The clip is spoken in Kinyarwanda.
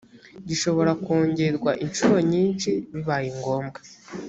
gishobora kongerwa inshuro nyinshi bibaye ngombwa